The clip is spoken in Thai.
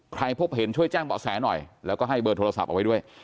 พบเห็นช่วยแจ้งเบาะแสหน่อยแล้วก็ให้เบอร์โทรศัพท์เอาไว้ด้วย